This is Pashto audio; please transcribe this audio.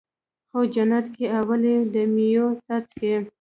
خو جنت کې اولي د مَيو څاڅکی